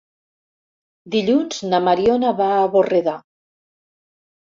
Dilluns na Mariona va a Borredà.